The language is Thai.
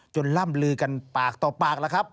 ล่ำลือกันปากต่อปากแล้วครับ